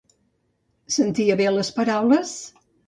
Sentia bé les paraules?